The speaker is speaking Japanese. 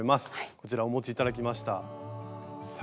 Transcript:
こちらお持ち頂きました作品の数々。